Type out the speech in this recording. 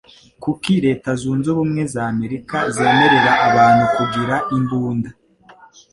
Kuki leta zunzubumwe zamerika zemerera abantu kugira imbunda?